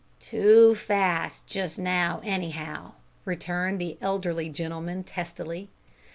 "Too fast just now, anyhow," returned the elderly gentleman testily.